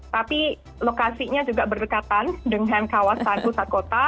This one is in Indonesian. tapi lokasinya juga berdekatan dengan kawasan pusat kota